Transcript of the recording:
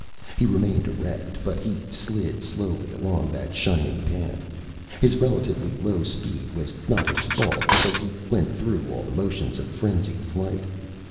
He remained erect, but he slid slowly along that shining path. His relatively low speed was not his fault, because he went through all the motions of frenzied flight.